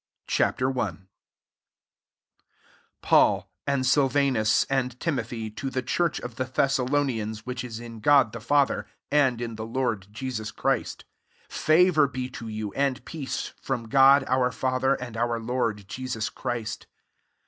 CHAP. I. 1 PAUL, and Silvanus, and Timothy, to the church of the Thessalonians vfhich is in God the Father, and in the Lord Jesus Christ; favour be to you, and peace [from God our Father, and our Lord Jesus Christ.